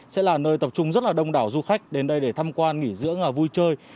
sẽ là nơi tập trung rất đông đảo du khách đến đây để thăm quan nghỉ dưỡng vui chơi